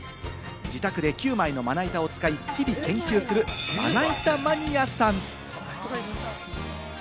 自宅で９枚のまな板を使い、日々研究する、まな板マニアさん。